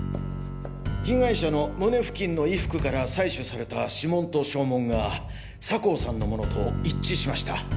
被害者の胸付近の衣服から採取された指紋と掌紋が酒匂さんのものと一致しました。